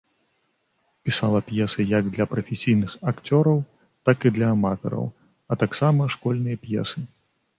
Пісала п'есы як для прафесійных акцёраў, так і для аматараў, а таксама школьныя п'есы.